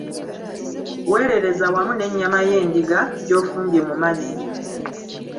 Weerereza wamu n'ennyama y'endiga, gy'ofumbye mu mazzi.